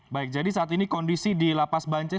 baik jadi saat ini kondisi di lapas bancis